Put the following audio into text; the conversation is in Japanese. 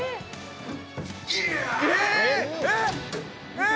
えっ！？